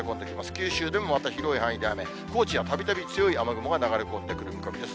九州でもまた広い範囲で雨、高知はたびたび強い雨雲が流れ込んでくる見込みです。